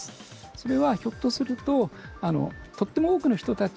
それは、ひょっとするととっても多くの人たちに